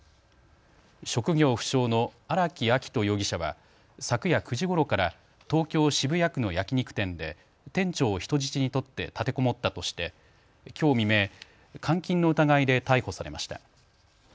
職業不詳の荒木秋冬容疑者は昨夜９時ごろから東京渋谷区の焼き肉店で店長を人質に取って立てこもったとしてきょう未明、監禁の疑いで逮捕されました。